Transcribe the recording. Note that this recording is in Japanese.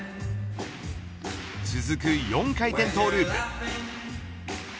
続く４回転トゥループ。